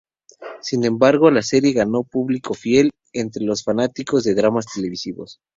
Sin embargo, la serie ganó un público fiel entre los fanáticos de dramas televisivos.